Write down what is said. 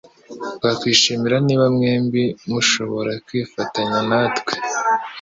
Twakwishimira niba mwembi mushobora kwifatanya natwe.